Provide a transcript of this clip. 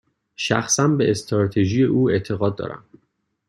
شخصا، به استراتژی او اعتقاد دارم.